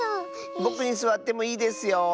ぼくにすわってもいいですよ！